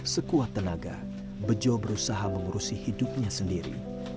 sekuat tenaga bejo berusaha mengurusi hidupnya sendiri